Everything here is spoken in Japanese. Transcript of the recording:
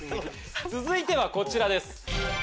続いてはこちらです。